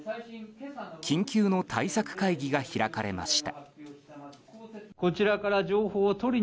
緊急の対策会議が開かれました。